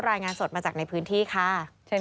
รายงานสดมาจากในพื้นที่ค่ะ